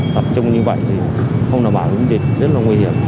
tập trung như vậy thì không đảm bảo ứng dịch rất là nguy hiểm